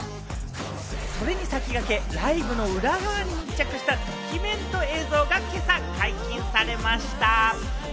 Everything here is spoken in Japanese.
それに先駆け、ライブの裏側に密着したドキュメント映像が今朝、解禁されました。